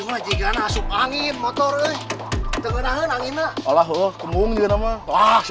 apaan tuh yang jatuh